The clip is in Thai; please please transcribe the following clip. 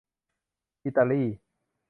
อิตาลี